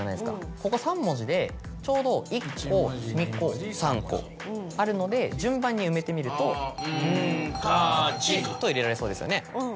ここ３文字でちょうど１個２個３個あるので順番に埋めてみると「んかち」と入れられそうですよね。